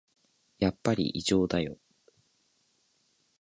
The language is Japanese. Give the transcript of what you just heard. やっぱり異常だよ